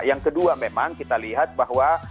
yang kedua memang kita lihat bahwa